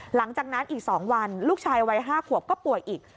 หลังจากนั้นอีก๒วันลูกชายวัย๕ขวบก็ป่วยอีก